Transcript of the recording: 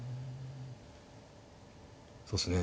そうっすね。